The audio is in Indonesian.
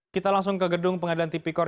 kita langsung ke gedung pengadilan tipikor